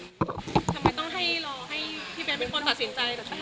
ทำไมต้องให้รอให้พี่เบ้นเป็นคนตัดสินใจ